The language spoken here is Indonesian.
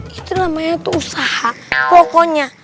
itu namanya tuh usaha kokonya